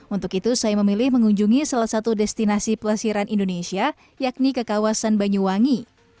untuk itu saya memilih mengunjungi salah satu destinasi pelesiran indonesia yakni ke kawasan banyuwangi